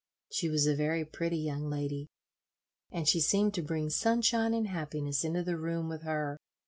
She was a very pretty young lady, and she seemed to bring sunshine and happiness into the room with her.